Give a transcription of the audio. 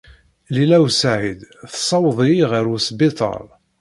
Lila u Saɛid tessaweḍ-iyi ɣer wesbiṭar.